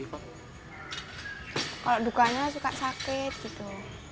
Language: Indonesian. kalau dukanya suka sakit gitu